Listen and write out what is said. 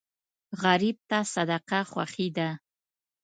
غریب ته صدقه خوښي ده